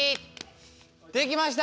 できました！